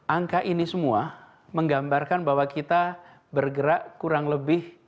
angka ini semua menggambarkan bahwa kita bergerak kurang lebih